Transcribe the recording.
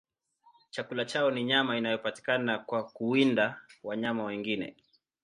Chakula chao ni nyama inayopatikana kwa kuwinda wanyama wengine.